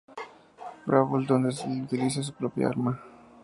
Brawl, donde el utiliza su propia arma.